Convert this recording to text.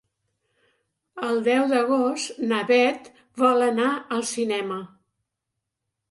El deu d'agost na Bet vol anar al cinema.